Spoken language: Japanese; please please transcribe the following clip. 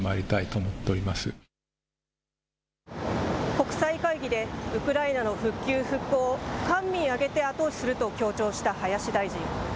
国際会議で、ウクライナの復旧・復興を官民挙げて後押しすると強調した林大臣。